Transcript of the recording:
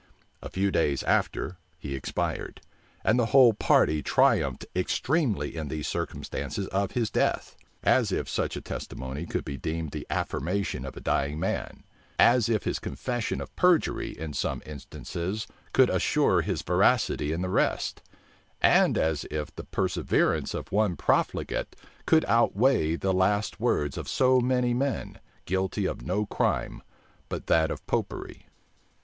A few days after, he expired; and the whole party triumphed extremely in these circumstances of his death: as if such a testimony could be deemed the affirmation of a dying man; as if his confession of perjury in some instances could assure his veracity in the rest; and as if the perseverance of one profligate could outweigh the last words of so many men, guilty of no crime but that of Popery.